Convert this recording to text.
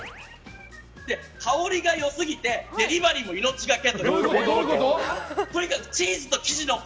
香りがよすぎてデリバリーも命がけ！